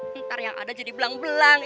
ntar yang ada jadi belang belang